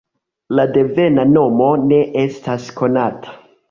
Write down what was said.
La devena nomo ne estas konata.